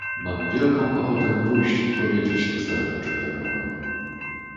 "Mam wielką ochotę pójść i powiedzieć to staremu gentlemanowi."